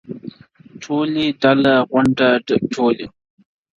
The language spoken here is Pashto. ټولی = ډله، غونډه، ټولۍ